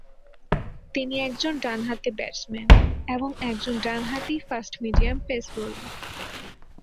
তিনি একজন ডান-হাতি ব্যাটসম্যান, এবং একজন ডান-হাতি ফাস্ট-মিডিয়াম পেস বোলার।